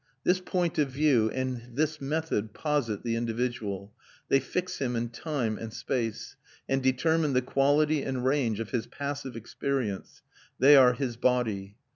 This point of view and this method posit the individual; they fix him in time and space, and determine the quality and range of his passive experience: they are his body.